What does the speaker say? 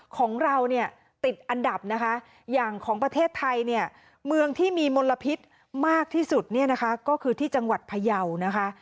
ของเราเนี่ยติดอันดับนะคะอย่างของประเทศไทยเนี่ยเมืองที่มีมลพิษมากที่สุดเนี่ยนะคะก็คือที่จังหวัดพยาวนะคะ